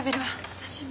私も。